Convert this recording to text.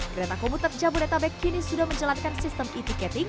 kereta komuter jambodetabek kini sudah menjalankan sistem penerbangan kereta api